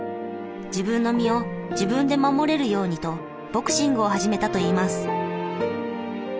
自分の身を自分で守れるようにとボクシングを始めたといいます。